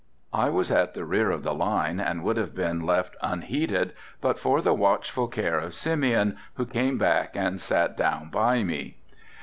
I was at the rear of the line and would have been left unheeded but for the watchful care of Simeon, who came back and sat down by me.